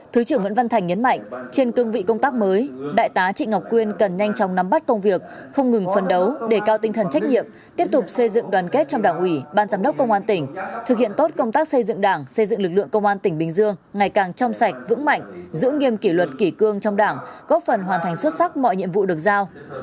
thứ trưởng nguyễn văn thành nhấn mạnh trên cương vị công tác mới đại tá trị ngọc quyên cần nhanh chóng nắm bắt công việc không ngừng phân đấu đề cao tinh thần trách nhiệm tiếp tục xây dựng đoàn kết trong đảng ủy ban giám đốc công an tỉnh thực hiện tốt công tác xây dựng đảng xây dựng lực lượng công an tỉnh bình dương ngày càng trong sạch vững mạnh giữ nghiêm kỷ luật kỷ cương trong đảng góp phần hoàn thành xuất sắc mọi nhiệm vụ được giao